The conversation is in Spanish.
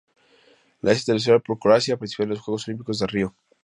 Es internacional por Croacia, participando en los Juegos Olímpicos de Río.